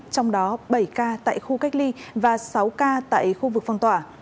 trong đó bảy ca tại khu cách ly và sáu ca tại khu vực phong tỏa